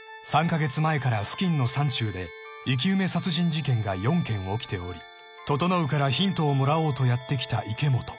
［３カ月前から付近の山中で生き埋め殺人事件が４件起きており整からヒントをもらおうとやって来た池本］